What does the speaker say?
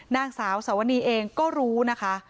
นางสาวสวนีเองก็รู้นะคะ